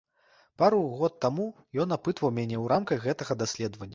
Пару год таму ён апытваў мяне ў рамках гэтага даследавання.